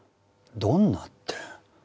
どんなって。